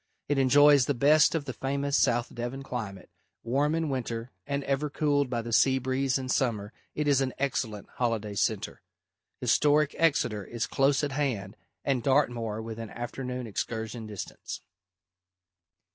It enjoys the best of the famous South Devon climate; warm in winter and ever cooled by the sea breeze in summer, it is an excellent holiday centre. Historic Exeter is close at hand and Dartmoor within afternoon excursion distance.